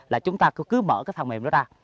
là chúng ta cứ mở cái phần mềm đó ra